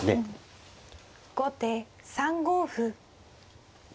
後手３五歩。